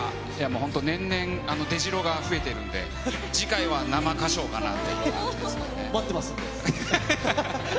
本当、年々出城が増えているんで、次回は生歌唱かなっていう感じで待ってます。